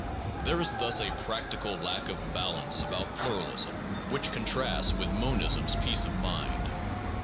There is thus a practical lack of balance about pluralism, which contrasts with mon ism s peace of mind.